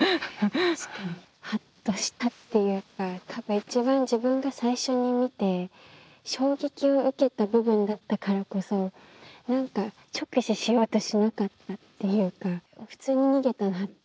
ハッとしたっていうか多分自分が最初に見て衝撃を受けた部分だったからこそ何か直視しようとしなかったっていうか普通に逃げたなっていうのを思い知らされた感じがして。